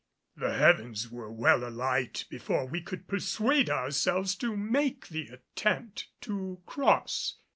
The heavens were well alight before we could persuade ourselves to make the attempt to cross.